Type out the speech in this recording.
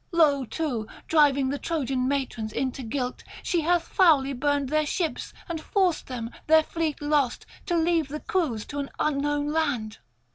... Lo too, driving the Trojan matrons into guilt, she hath foully [794 826]burned their ships, and forced them, their fleet lost, to leave the crews to an unknown land.